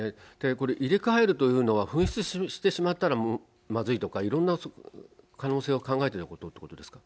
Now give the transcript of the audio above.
これ、入れ替えるというのは、紛失してしまったら、まずいとか、いろんな可能性を考えてのことってことですか？